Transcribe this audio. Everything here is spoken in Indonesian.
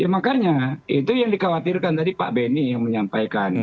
makanya itu yang dikhawatirkan tadi pak beni yang menyampaikan